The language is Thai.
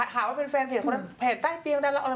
หาว่าเป็นแฟนเพจคนแบบเผ็ดใต้เตียงแล้ว